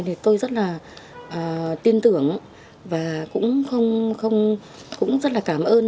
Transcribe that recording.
thì tôi rất là tin tưởng và cũng rất là cảm ơn